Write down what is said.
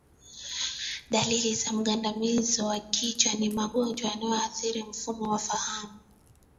Dalili za mgandamizo wa kichwa ni magonjwa yanayoathiri mfumo wa fahamu